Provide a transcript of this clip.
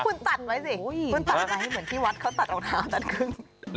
คุณตัดไว้สิคุณตัดไว้เหมือนที่วัดเขาตัดรองเท้าตัดครึ่ง